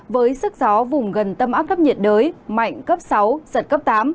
với sức gió vùng gần tâm áp thấp nhiệt đới mạnh cấp sáu giật cấp tám